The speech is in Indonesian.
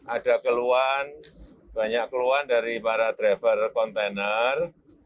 ada keluhan banyak keluhan dari para driver kontainer